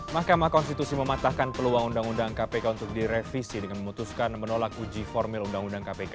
mahkamah konstitusi mematahkan peluang undang undang kpk untuk direvisi dengan memutuskan menolak uji formil undang undang kpk